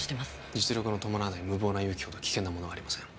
実力の伴わない無謀な勇気ほど危険なものはありません